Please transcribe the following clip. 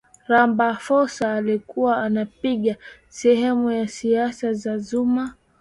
ramaphosa alikuwa anapinga sehemu ya siasa za zuma